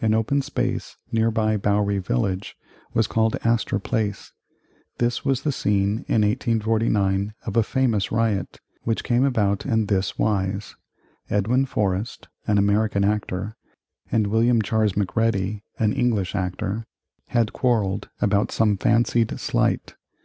An open space nearby Bowery Village was called Astor Place. This was the scene in 1849 of a famous riot, which came about in this wise: Edwin Forrest, an American actor, and William Charles Macready, an English actor, had quarrelled about some fancied slight.